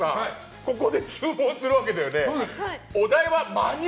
ここで注文するわけだよね？